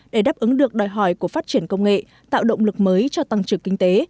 để đáp ứng được đòi hỏi của phát triển công nghệ tạo động lực mới cho tăng trưởng kinh tế